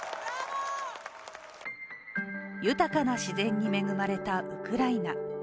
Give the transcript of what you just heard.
豊かな自然に恵まれたウクライナ。